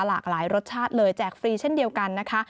หลากหลายรสชาติเลยแจกฟรีเช่นเดียวกันนะคะ